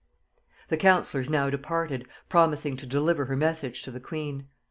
The councillors now departed, promising to deliver her message to the queen.